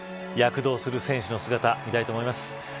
躍動する選手の姿見たいと思います。